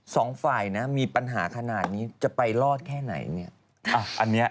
สองฝ่ายนะมีปัญหาขนาดนี้จะไปรอดแค่ไหนเนี่ย